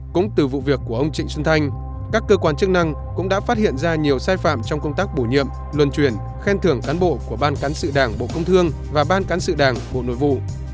cũng từ vụ việc của ông trịnh xuân thanh các cơ quan chức năng cũng đã phát hiện ra nhiều sai phạm trong công tác bổ nhiệm luân truyền khen thưởng cán bộ của ban cán sự đảng bộ công thương và ban cán sự đảng bộ nội vụ